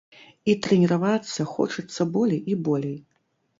І трэніравацца хочацца болей і болей.